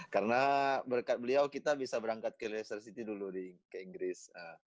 karena berkat beliau kita bisa berangkat ke leicester city dulu ke inggris